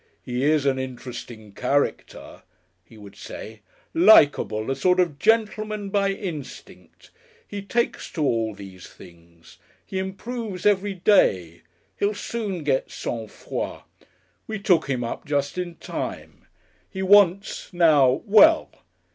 "He is an interesting character," he would say, "likable a sort of gentleman by instinct. He takes to all these things. He improves every day. He'll soon get Sang Froid. We took him up just in time. He wants now well